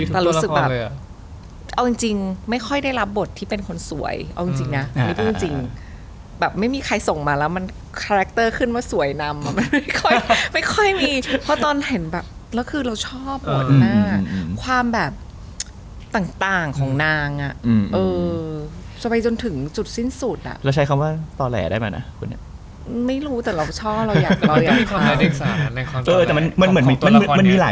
แต่รู้สึกแบบเอาจริงไม่ค่อยได้รับบทที่เป็นคนสวยเอาจริงนะไม่ได้รับบทที่เป็นคนสวยเอาจริงนะไม่ได้รับบทที่เป็นคนสวยเอาจริงนะไม่ได้รับบทที่เป็นคนสวยเอาจริงนะไม่ได้รับบทที่เป็นคนสวยเอาจริงนะไม่ได้รับบทที่เป็นคนสวยเอาจริงนะไม่ได้รับบททที่เป็นคนสวยเอาจริงนะไม่ได้